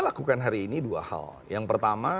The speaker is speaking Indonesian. lakukan hari ini dua hal yang pertama